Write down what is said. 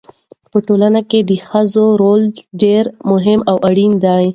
په ټولنه کې د ښځو رول ډېر مهم او اړین دی.